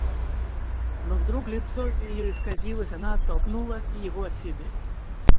Но вдруг лицо ее исказилось, она оттолкнула его от себя.